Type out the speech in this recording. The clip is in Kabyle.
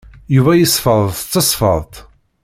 Yuba yesfeḍ s tesfeḍt.